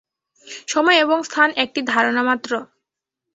সময় এবং স্থান একটি ধারণা মাত্র।